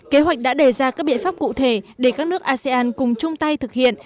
kế hoạch đã đề ra các biện pháp cụ thể để các nước asean cùng chung tay thực hiện